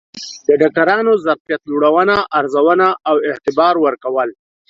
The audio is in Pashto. د ډاکترانو ظرفیت لوړونه، ارزونه او اعتبار ورکول